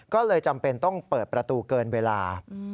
ก็เลยจำเป็นต้องเปิดประตูเกินเวลา